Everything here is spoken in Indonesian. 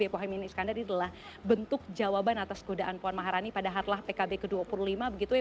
mohaimin iskandar adalah bentuk jawaban atas godaan puan maharani pada hatlah pkb ke dua puluh lima begitu ya